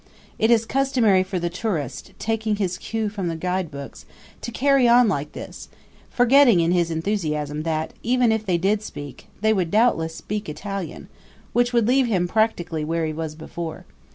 It is customary for the tourist, taking his cue from the guidebooks, to carry on like this, forgetting in his enthusiasm that, even if they did speak, they would doubtless speak Italian, which would leave him practically where he was before.